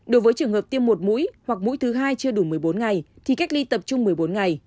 đối với trường hợp tiêm một mũi hoặc mũi thứ hai chưa đủ một mươi bốn ngày thì cách ly tập trung một mươi bốn ngày